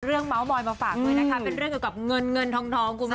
เมาส์มอยมาฝากด้วยนะคะเป็นเรื่องเกี่ยวกับเงินเงินทองคุณผู้ชม